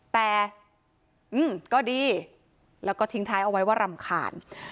แต่ก็ดีแล้วก็ทิ้งท้ายเอาไว้ว่ารำคาญ